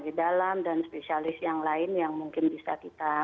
dan ini homework material spesialis yang lain yang mungkin bisa kita minta bantuan